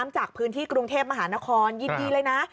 จากพื้นที่กรุงเทพมหานครยินดีเลยนะ